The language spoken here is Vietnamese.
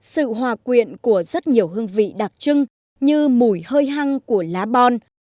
sự hòa quyện của rất nhiều hương vị đặc trưng như mùi hơi hăng của lá bon